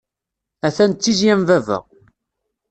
Atan d tizya n baba.